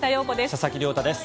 佐々木亮太です。